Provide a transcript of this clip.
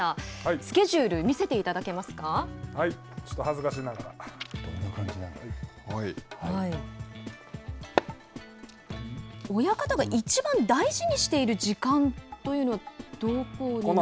スケジュールはい、ちょっと恥ずかしながら親方がいちばん大事にしている時間というのはどこになるんでしょうか。